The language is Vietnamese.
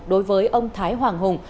đối với ông thái hoàng hùng